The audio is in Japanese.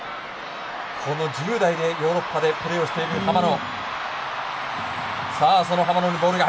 この１０代でヨーロッパでプレーしている浜野。